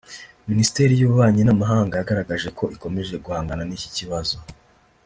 Minisiteri y’Ububanyi n’Amahanga yagaragaje ko ikomeje guhangana n’iki kibazo